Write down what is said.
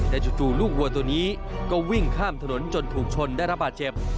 แต่จู่ลูกวัวตัวนี้ก็วิ่งข้ามถนนจนถูกชนได้รับบาดเจ็บ